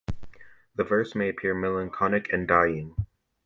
The verse may appear melancholic and "dying".